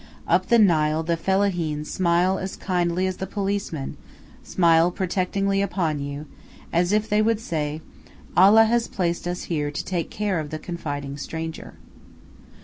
Up the Nile the fellaheen smile as kindly as the policemen, smile protectingly upon you, as if they would say, "Allah has placed us here to take care of the confiding stranger."